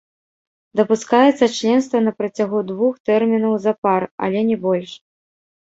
Дапускаецца членства на працягу двух тэрмінаў запар, але не больш.